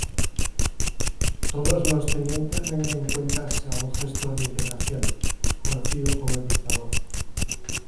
Todos los tenientes rinden cuentas a un gestor de integración; conocido como el dictador.